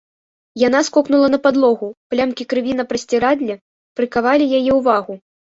Яна скокнула на падлогу, плямкі крыві на прасцірадле прыкавалі яе ўвагу.